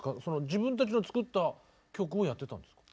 自分たちの作った曲をやってたんですか？